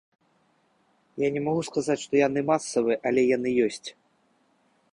Я не магу сказаць, што яны масавыя, але яны ёсць.